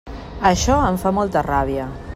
Això em fa molta ràbia.